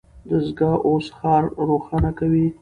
دستګاه اوس ښار روښانه کوي.